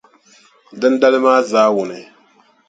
Dindali maa zaawuni,